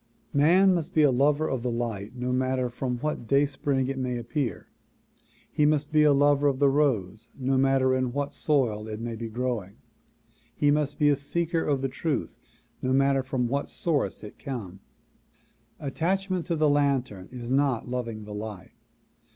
Man must be a lover of the light no matter from what day spring it may appear. He must be a lover of the rose no matter in what soil it may be growing. He must be a seeker of the truth no mat ter from what source it come. Attachment to the lantern is not loving the light.